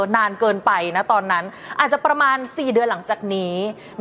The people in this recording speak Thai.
นานเกินไปนะตอนนั้นอาจจะประมาณ๔เดือนหลังจากนี้